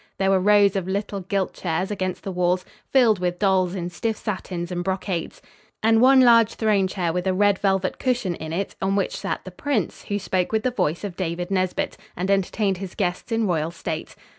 There were rows of little gilt chairs against the walls filled with dolls in stiff satins and brocades. And one large throne chair with a red velvet cushion in it, on which sat the prince, who spoke with the voice of David Nesbit, and entertained his guests in royal state.